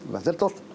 là rất tốt